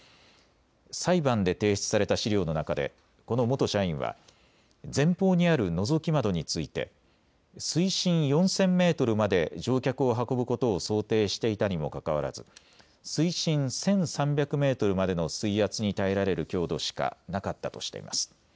裁判で提出された資料の中でこの元社員は前方にあるのぞき窓について水深４０００メートルまで乗客を運ぶことを想定していたにもかかわらず水深１３００メートルまでの水圧に耐えられる強度しかなかったとしています。